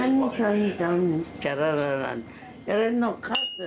やれんのかって。